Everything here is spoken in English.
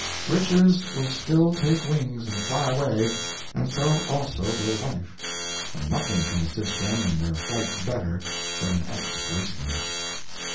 Riches will still take wings and fly away, and so also will life—and nothing can assist them in their flight better than an ex policeman.